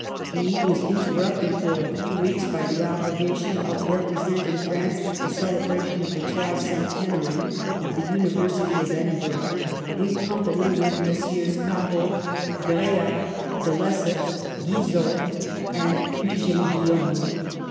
He was interrupted for a few weeks by the obligation of represent ing France at the celebration of the tri cen tenary of the University of Edinburgh, in com pany with Messrs. Caro, Greard, de Lesseps, Guizot and Eugene Guillaume.